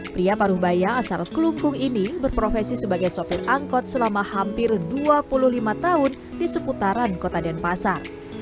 pria paruh baya asal kelungkung ini berprofesi sebagai sopir angkot selama hampir dua puluh lima tahun di seputaran kota denpasar